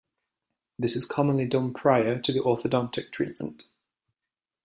This is commonly done prior to orthodontic treatment.